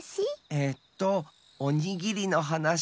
えっとおにぎりのはなし。